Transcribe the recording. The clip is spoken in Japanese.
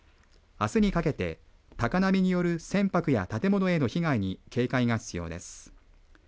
あすにかけて、高波による船舶や建物への被害に警戒が必要です。